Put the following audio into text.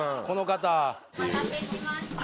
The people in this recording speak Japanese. この方。